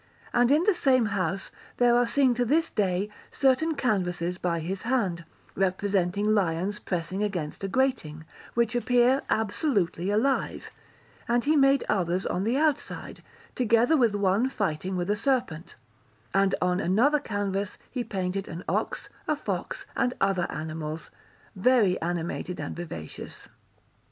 And in the same house there are seen to this day certain canvases by his hand, representing lions pressing against a grating, which appear absolutely alive; and he made others on the outside, together with one fighting with a serpent; and on another canvas he painted an ox, a fox, and other animals, very animated and vivacious.